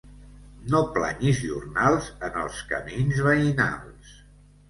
No planyis jornals en els camins veïnals.